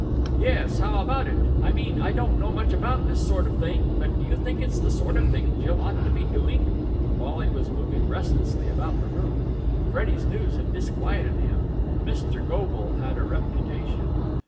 "Yes. How about it? I mean, I don't know much about this sort of thing, but do you think it's the sort of thing Jill ought to be doing?" Wally was moving restlessly about the room. Freddie's news had disquieted him. Mr. Goble had a reputation.